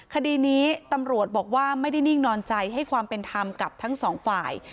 คดีนี้ตำรวจบอกว่าไม่ได้นิ่งนอนใจให้ความเป็นธรรมกับทั้งสองฝ่าย